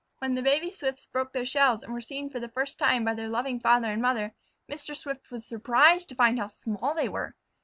When the baby Swifts broke their shells and were seen for the first time by their loving father and mother, Mr. Swift was surprised to find how small they were.